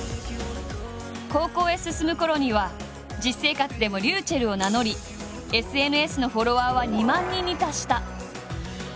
高校へ進むころには実生活でも「りゅうちぇる」を名乗りＳＮＳのフォロワーは２万人に達した。